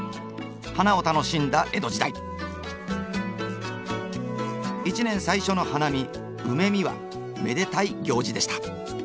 花を楽しんだ江戸時代一年最初の花見梅見はめでたい行事でした。